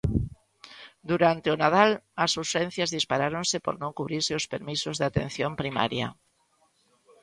Durante o Nadal, as urxencias disparáronse por non cubrirse os permisos de atención primaria.